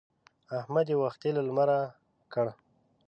احمد يې وختي له لمره کړ.